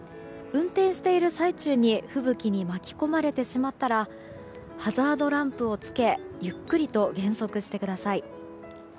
運転している最中に吹雪に巻き込まれてしまったらハザードランプをつけゆっくりと減速してください。